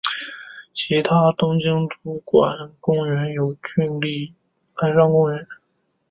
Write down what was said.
其他东京都所管公园有都立海上公园。